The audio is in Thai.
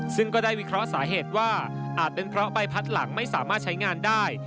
ซึ่งก็ได้วิเคราะห์สาเหตุว่าอาจเป็นเพราะใบพัดหลังไม่สามารถใช้งานได้